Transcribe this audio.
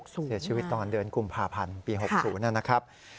เสียชีวิตตอนเดือนกุมภาพันธ์ปี๖๐นะครับ